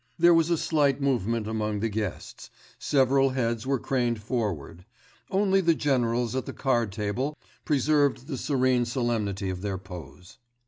There was a slight movement among the guests; several heads were craned forward; only the generals at the card table preserved the serene solemnity of their pose.